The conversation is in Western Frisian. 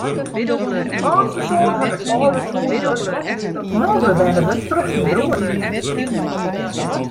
De âldste soan hat it âldershûs urven dat no bewenne wurdt troch syn broer.